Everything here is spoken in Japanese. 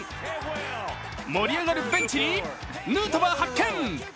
盛り上がるベンチにヌートバー発見。